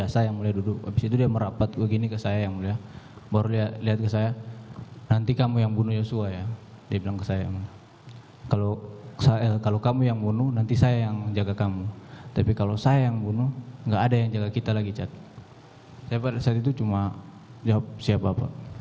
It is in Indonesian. saya pada saat itu cuma jawab siapa pak